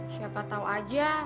siapa tau aja